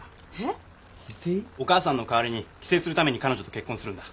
お母さんの代わりに寄生するために彼女と結婚するんだ。